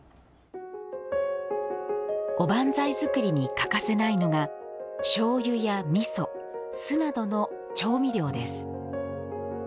おばんざい作りに欠かせないのがしょうゆやみそ、酢などの調味料です。